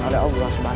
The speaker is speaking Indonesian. oleh allah swt